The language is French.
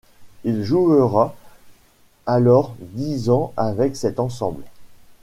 Il jouera alors dix ans avec cet ensemble.